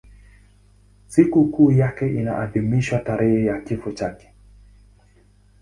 Sikukuu yake inaadhimishwa tarehe ya kifo chake.